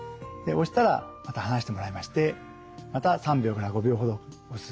押したらまた離してもらいましてまた３秒から５秒ほど押す。